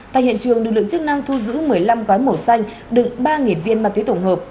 tại hiện trường lực lượng chức năng thu giữ một mươi năm gói màu xanh đựng ba viên ma túy tổng hợp